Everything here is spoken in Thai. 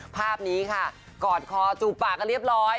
ภาพนี้ค่ะกอดคอจูบปากกันเรียบร้อย